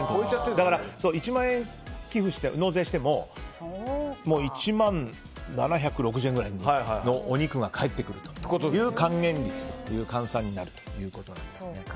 だから１万円納税しても１万７６０円くらいのお肉が返ってくるという還元率という換算になるということです。